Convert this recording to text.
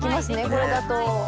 これだと。